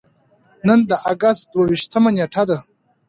نن د اګست دوه ویشتمه نېټه ده.